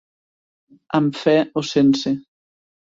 Amb fe o sense.